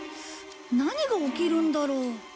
何が起きるんだろう？